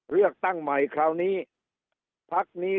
เลือกตั้งใหม่คราวนี้